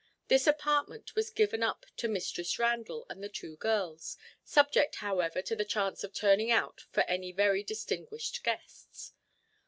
This apartment was given up to Mistress Randall and the two girls, subject however to the chance of turning out for any very distinguished guests.